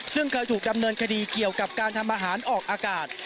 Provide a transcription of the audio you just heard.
ซึ่งเคยถูกดำเนินคดีเกี่ยวกับการทำอาหารออกอากาศ